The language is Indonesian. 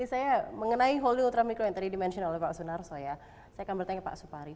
saya mengenai holly ultramikro yang tadi dimention oleh pak sunarso ya saya akan bertanya pak supari